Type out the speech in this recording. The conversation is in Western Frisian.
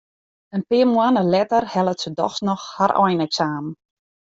In pear moanne letter hellet se dochs noch har eineksamen.